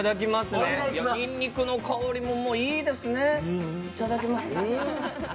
にんにくの香りもいいですね。